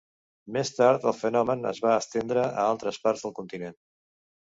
Més tard el fenomen es va estendre a altres parts del continent.